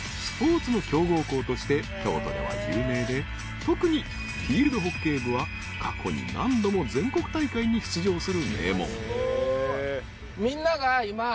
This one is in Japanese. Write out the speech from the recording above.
［スポーツの強豪校として京都では有名で特にフィールドホッケー部は過去に何度も全国大会に出場する名門］